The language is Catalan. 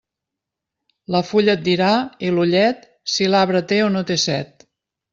La fulla et dirà, i l'ullet, si l'arbre té o no té set.